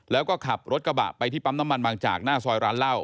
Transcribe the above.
แล้วก็ขับรถกระบะไปที่ปั๊มน้ำมันบางจากหน้าซอยร้านเหล้า